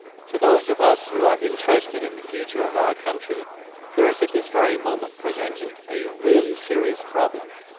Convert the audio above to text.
] To those of us who are interested in the future of our country there is at this very moment presented a really serious problem.